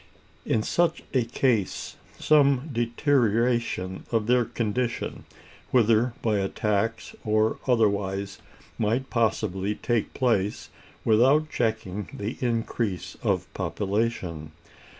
In such a case, some deterioration of their condition, whether by a tax or otherwise, might possibly take place without checking the increase of population.